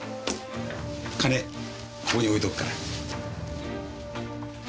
ここに置いとくから。